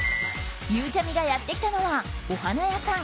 ゆうちゃみがやってきたのはお花屋さん